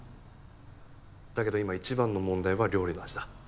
だけど今一番の問題は料理の味だ。